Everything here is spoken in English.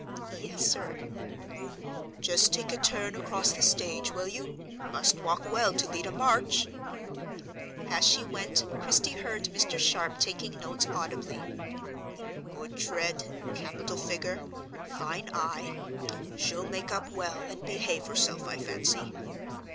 "Yes, sir." "Just take a turn across the stage, will you? Must walk well to lead a march." As she went, Christie heard Mr. Sharp taking notes audibly: "Good tread; capital figure; fine eye. She'll make up well, and behave herself, I fancy."